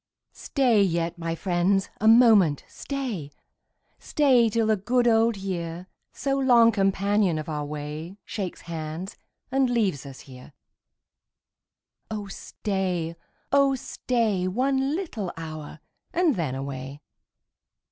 Stat yet, my friends, a moment stay — Stay till the good old year, So long companion of our way, Shakes hands, and leaves ns here. Oh stay, oh stay. One little hour, and then away.